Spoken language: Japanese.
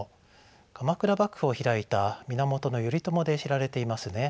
鎌倉幕府を開いた源頼朝で知られていますね。